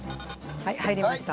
はい入りました。